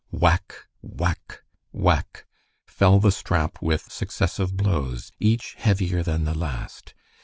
Whack! whack! whack! fell the strap with successive blows, each heavier than the last.